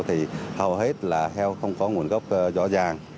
thì hầu hết là heo không có nguồn gốc rõ ràng